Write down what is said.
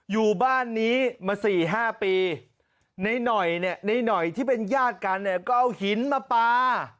อยู่บ้านนี้มา๔๕ปีในหน่อยที่เป็นญาติกันก็เอาหินมาปลา